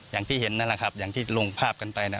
อย่างที่เห็นนั่นแหละครับอย่างที่ลงภาพกันไปนะ